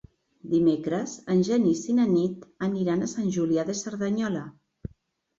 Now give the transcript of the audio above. Dimecres en Genís i na Nit aniran a Sant Julià de Cerdanyola.